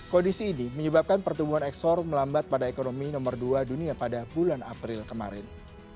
kondisi ini menyebabkan pertumbuhan ekspor melambat pada ekonomi nomor dua dunia pada bulan april kemarin